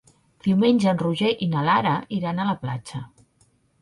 Diumenge en Roger i na Lara iran a la platja.